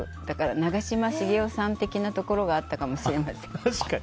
長嶋茂雄さん的なところがあったかもしれません。